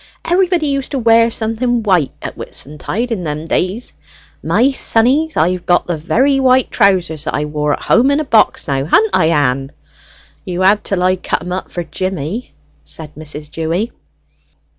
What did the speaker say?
Everybody used to wear something white at Whitsuntide in them days. My sonnies, I've got the very white trousers that I wore, at home in box now. Ha'n't I, Ann?" "You had till I cut 'em up for Jimmy," said Mrs. Dewy.